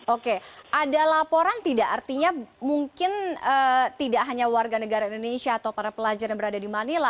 oke ada laporan tidak artinya mungkin tidak hanya warga negara indonesia atau para pelajar yang berada di manila